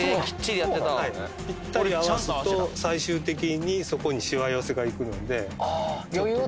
きっちりやってた最終的にそこにしわ寄せがいくのでああー